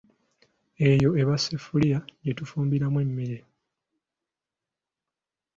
Eyo eba sseffuliya gye tufumbiramu emmere.